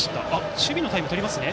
守備のタイムを取りますね。